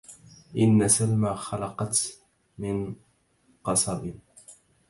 إن سلمى خلقت من قصب